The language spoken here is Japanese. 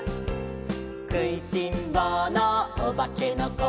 「くいしんぼうのおばけのこ」